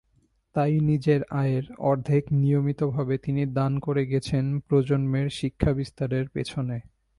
তাই নিজের আয়ের অর্ধেক নিয়মিতভাবে তিনি দান করে গেছেন প্রজন্মের শিক্ষাবিস্তারের পেছনে।